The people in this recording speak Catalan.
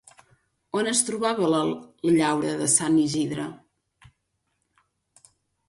On es trobava la llaura de Sant Isidre?